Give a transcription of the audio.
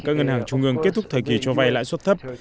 các ngân hàng trung ương kết thúc thời kỳ cho vay lãi suất thấp